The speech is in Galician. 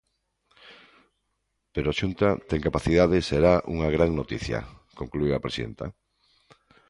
"Pero a Xunta ten capacidade e será unha gran noticia", concluíu a presidenta.